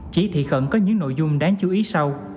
chỉ thị khẩn có những nội dung đáng chú ý sau